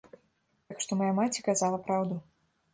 Так што мая маці казала праўду.